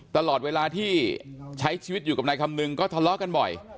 ตลอดเวลาที่ใช้ชีวิตอยู่กับนายคำนึงก็ทะเลาะกันบ่อย